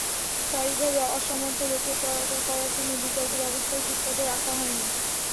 শারীরিকভাবে অসমর্থ লোকের চলাচল করার জন্য বিকল্প ব্যবস্থাই ফুটপাতে রাখা হয়নি।